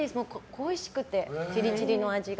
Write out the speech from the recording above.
恋しくてチリチリの味が。